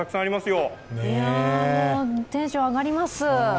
もうテンション上がります。